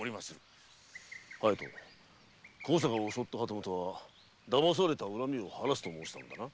隼人高坂を襲った旗本は「騙された恨みを晴らす」と申したのだな？